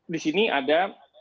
di sini ada